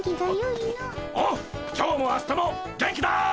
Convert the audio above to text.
ああ今日も明日も元気だ！